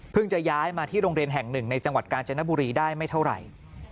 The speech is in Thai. จะย้ายมาที่โรงเรียนแห่งหนึ่งในจังหวัดกาญจนบุรีได้ไม่เท่าไหร่